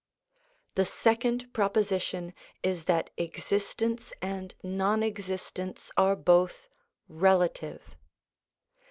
The second proposition is that existence and non existence are both relative.